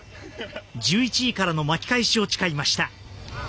１１位からの巻き返しを誓いました。